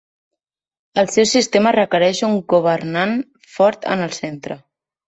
El seu sistema requereix un governant fort en el centre.